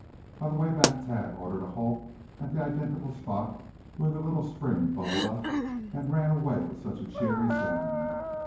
On the way back Thad ordered a halt at the identical spot where that little spring bubbled up, and ran away with such a cheery sound.